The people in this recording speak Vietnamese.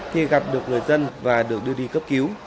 thì gặp được người dân và được đưa đi cấp cứu